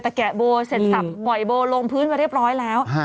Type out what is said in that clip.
แต่แกะโบเสร็จสับปล่อยโบลงพื้นมาเรียบร้อยแล้ว